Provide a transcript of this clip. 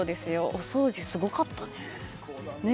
お掃除すごかったね。